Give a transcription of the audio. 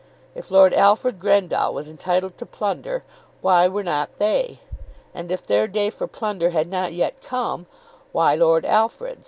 If Lord Alfred Grendall was entitled to plunder, why were not they? And if their day for plunder had not yet come, why had Lord Alfred's?